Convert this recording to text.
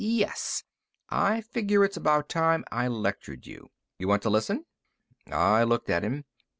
Yes, I figure it's about time I lectured you! You want to listen?" I looked at him.